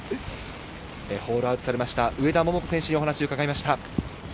ホールアウトされました、上田桃子選手にお話を伺いました。